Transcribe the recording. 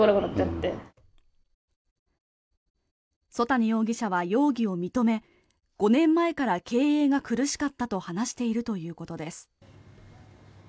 曽谷容疑者は容疑を認め５年前から経営が苦しかったと話しているということです。